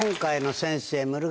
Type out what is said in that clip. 先生。